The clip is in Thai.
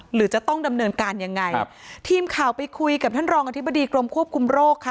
หรือจะต้องดำเนินการยังไงครับทีมข่าวไปคุยกับท่านรองอธิบดีกรมควบคุมโรคค่ะ